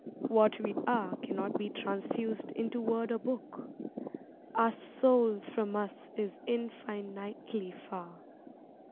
What we are Cannot be transfused into word or book. Our soul from us is infinitely far.